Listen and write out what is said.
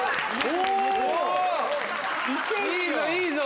いいぞいいぞ。